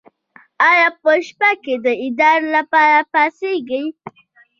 ایا په شپه کې د ادرار لپاره پاڅیږئ؟